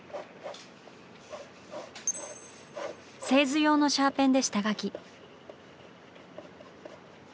製図用のシャーペンで下描き。